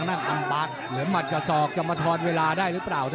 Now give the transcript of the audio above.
อัมปากเหลือมัดกระส่องจะมาทอดเวลาได้หรือเปล่า